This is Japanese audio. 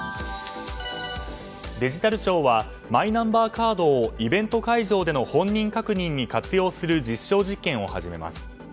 デジタル庁はマイナンバーカードをイベント会場での本人確認に活用する実証実験を始めます。